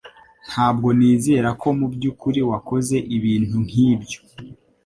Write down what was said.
Ntabwo nizera ko mubyukuri wakoze ibintu nkibyo.